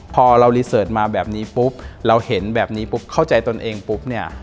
พอเรารีเสิร์ตมาแบบนี้ปุ๊บเราเห็นแบบนี้ปุ๊บเข้าใจตนเองปุ๊บเนี่ย